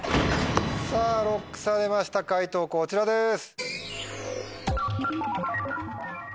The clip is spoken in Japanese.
さぁＬＯＣＫされました解答こちらです。